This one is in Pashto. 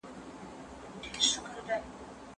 د سیندونو اوبه یې څنګه کرنې ته وګرځولې؟